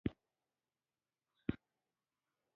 د دعا ځواک د امید زړورتیا ده.